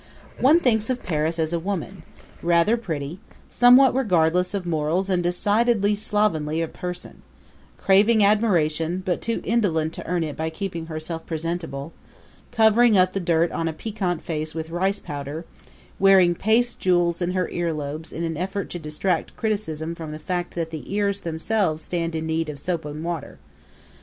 One thinks of Paris as a woman, rather pretty, somewhat regardless of morals and decidedly slovenly of person; craving admiration, but too indolent to earn it by keeping herself presentable; covering up the dirt on a piquant face with rice powder; wearing paste jewels in her earlobes in an effort to distract criticism from the fact that the ears themselves stand in need of soap and water.